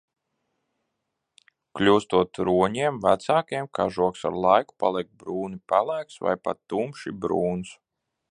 Kļūstot roņiem vecākiem, kažoks ar laiku paliek brūni pelēks vai pat tumši brūns.